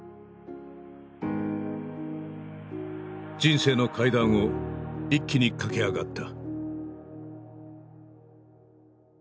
人生の階段を一気に駆け上がった。